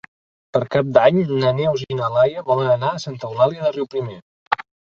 Per Cap d'Any na Neus i na Laia volen anar a Santa Eulàlia de Riuprimer.